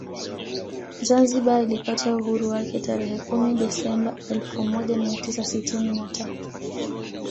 Zanzibar ilipata uhuru wake tarehe kumi Desemba elfu moja mia tisa sitini na tatu